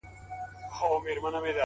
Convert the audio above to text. o ولي مي هره شېبه هر ساعت پر اور کړوې؛